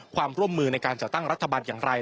ความร่วมมือในการจัดตั้งรัฐบาลอย่างไร